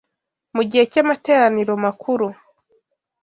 Mu gihe cy’amateraniro makuru,